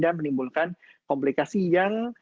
dan menimbulkan komplikasi yang